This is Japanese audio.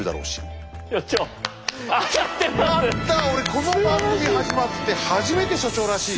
この番組始まって初めて所長らしい！